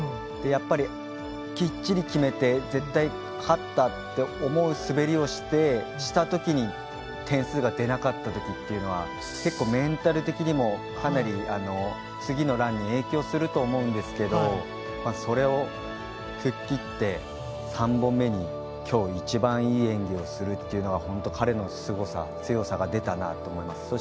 やっぱり、きっちり決めて絶対勝ったって思う滑りをしたときに点数が出なかったときっていうのは結構メンタル的にも次のランに影響すると思うんですけどそれを吹っ切って３本目に今日一番いい演技をするというのが、彼のすごさ強さが出たなと思います。